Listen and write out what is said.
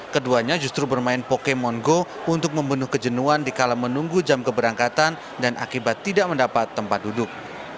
keduanya justru bermain pokemon go untuk membunuh kejenuan di kalam menunggu jam keberangkatan dan akibat tidak mendapat tempat duduk